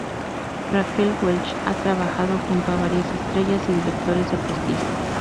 Raquel Welch ha trabajado junto a varias estrellas y directores de prestigio.